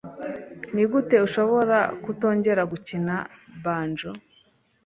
Nigute ushobora kutongera gukina banjo?